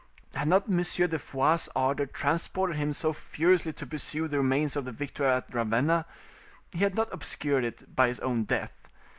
Had not Monsieur de Foix's ardour transported him so furiously to pursue the remains of the victory of Ravenna, he had not obscured it by his own death.